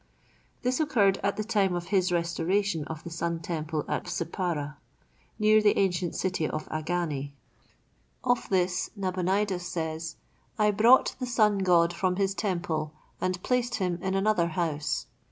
This occurred at the time of his restoration of the Sun temple at Sippara, near the ancient city of Agane. Of this, Nabonidus says: "I brought the Sun God from his temple, and placed him in another house."